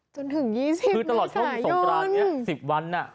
จนถึง๒๐เมษายนคือตลอดพรุ่งสงครานนี้๑๐วัน